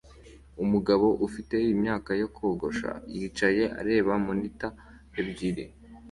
Umugabo ufite imyaka yo kogosha yicaye areba monitor ebyiri